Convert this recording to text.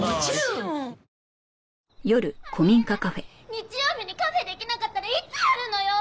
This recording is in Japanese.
日曜日にカフェできなかったらいつやるのよ！？